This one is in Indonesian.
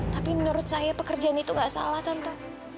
tapi menurut saya pekerjaan itu gak salah tante